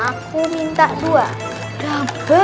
aku minta dua double